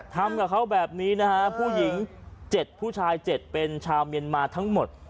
ทำกับเขาแบบนี้นะฮะผู้หญิง๗ผู้ชาย๗เป็นชาวเมียนมาทั้งหมด